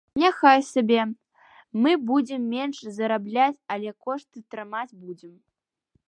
Няхай сабе, мы будзем менш зарабляць, але кошты трымаць будзем.